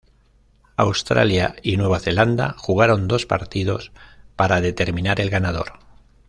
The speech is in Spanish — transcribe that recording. Australia y Nueva Zelanda jugaron dos partidos para determinar el ganador